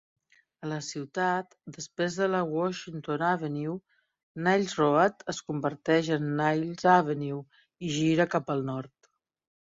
A la ciutat, després de la Washington Avenue, Niles Road es converteix en Niles Avenue i gira cap al nord.